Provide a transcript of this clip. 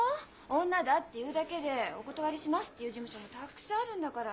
女だっていうだけでお断りしますっていう事務所もたくさんあるんだから。